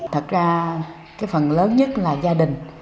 thật ra cái phần lớn nhất là gia đình